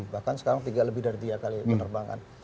bahkan sekarang lebih dari tiga kali penerbangan